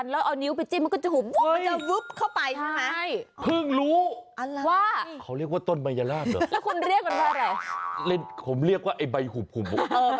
แล้วมันก็จะปันบานแล้วเอานิ้วไปจิ้มมันก็จะหุบ